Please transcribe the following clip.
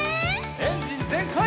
エンジンぜんかい！